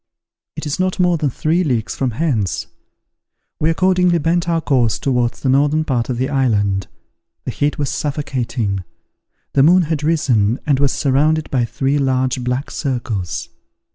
It is not more than three leagues from hence." We accordingly bent our course towards the northern part of the island. The heat was suffocating. The moon had risen, and was surrounded by three large black circles.